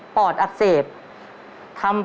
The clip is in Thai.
ขอบคุณครับ